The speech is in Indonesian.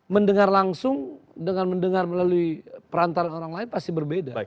mendengar langsung dengan mendengar melalui perantaran orang lain pasti berbeda